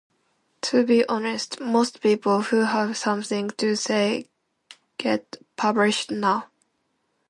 To be honest, most people who have something to say get published now.